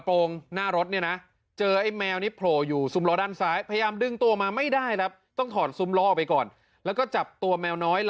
มองเห็นมั้ยคุณผู้ชม